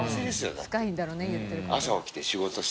深いんだろうね言ってることが。